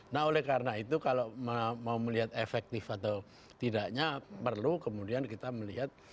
nah oleh karena itu kalau mau melihat efektif atau tidaknya perlu kemudian kita melihat